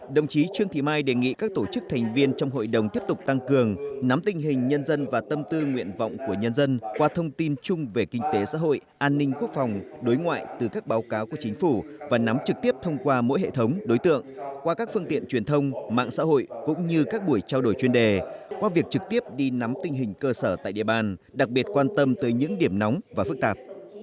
đồng chí trương thị mai đề nghị các tổ chức thành viên trong hội đồng tiếp tục tăng cường nắm tình hình nhân dân và tâm tư nguyện vọng của nhân dân qua thông tin chung về kinh tế xã hội an ninh quốc phòng đối ngoại từ các báo cáo của chính phủ và nắm trực tiếp thông qua mỗi hệ thống đối tượng qua các phương tiện truyền thông mạng xã hội cũng như các buổi trao đổi chuyên đề qua việc trực tiếp đi nắm tình hình cơ sở tại địa bàn đặc biệt quan tâm tới những điểm nóng và phức tạp